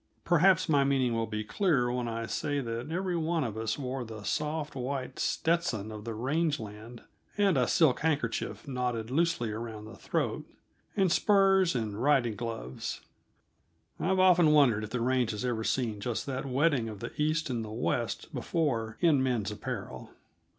Perhaps my meaning will be clearer when I say that every one of us wore the soft, white "Stetson" of the range land, and a silk handkerchief knotted loosely around the throat, and spurs and riding gloves. I've often wondered if the range has ever seen just that wedding of the East and the West before in man's apparel.